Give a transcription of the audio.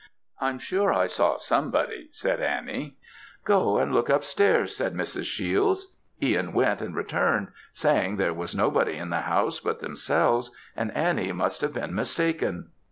"I'm sure I saw somebody," said Annie. "Go and look up stairs," said Mrs. Shiels; Ihan went and returned, saying there was nobody in the house but themselves, and Annie must have been mistaken.